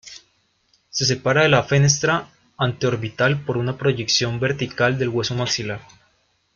Se separa de la fenestra anteorbital por una proyección vertical del hueso maxilar.